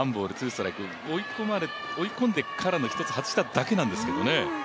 追い込んでから外しただけなんですけどね。